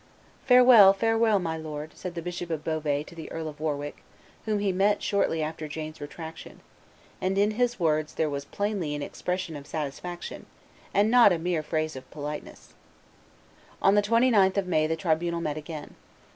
"Farewell, farewell, my lord," said the Bishop of Beauvais to the Earl of Warwick, whom he met shortly after Joan's retractation; and in his words there was plainly an expression of satisfaction, and not a mere phrase of politeness. On the 29th of May the tribunal met again.